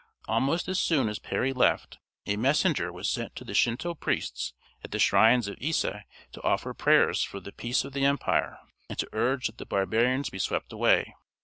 Almost as soon as Perry left a messenger was sent to the Shinto priests at the shrines of Isé to offer prayers for the peace of the empire, and to urge that the barbarians be swept away.